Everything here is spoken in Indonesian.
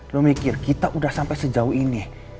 lo mikir kita udah sampai sejauh ini